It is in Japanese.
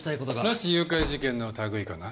拉致誘拐事件の類いかな？